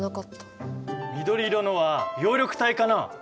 緑色のは葉緑体かな？